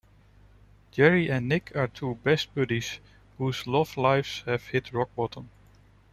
Jerry and Nick are two best buddies whose love lives have hit rock bottom.